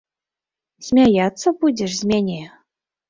Смяяцца будзеш з мяне?!